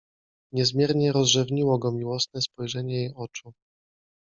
Niezmiernie rozrzewniło go miłosne spojrzenie jej oczu.